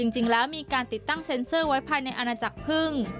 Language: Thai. จริงแล้วมีการติดตั้งเซ็นเซอร์ไว้ภายในอาณาจักรพึ่ง